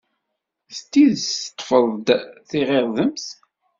D tidet teḍḍfeḍ-d tiɣirdemt?